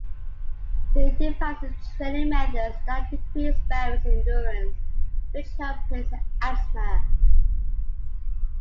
Lee devises training methods that increase Barry's endurance, which helps his asthma.